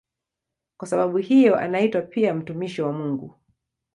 Kwa sababu hiyo anaitwa pia "mtumishi wa Mungu".